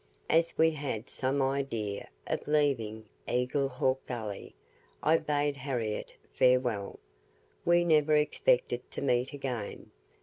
As we had some idea of leaving Eagle Hawk Gully, I bade Harriette farewell. We never expected to meet again.